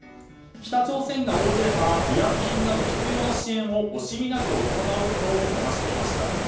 北朝鮮が応じれば医薬品など必要な支援を惜しみなく行うと話していました。